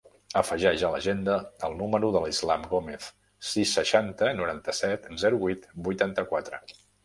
Afegeix a l'agenda el número de l'Islam Gomez: sis, seixanta, noranta-set, zero, vuit, vuitanta-quatre.